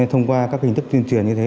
thông qua các hình thức tuyên truyền như thế